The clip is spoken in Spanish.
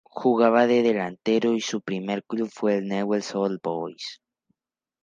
Jugaba de delantero y su primer club fue Newell's Old Boys.